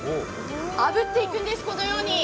あぶっていくんです、このように。